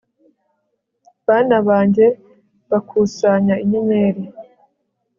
Bana banjye bakusanya inyenyeri